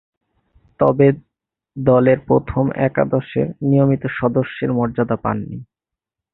তবে, দলের প্রথম একাদশের নিয়মিত সদস্যের মর্যাদা পাননি।